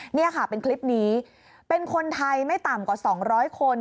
นี่ค่ะเป็นคลิปนี้เป็นคนไทยไม่ต่ำกว่า๒๐๐คน